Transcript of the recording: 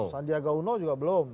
sandiaga uno juga belum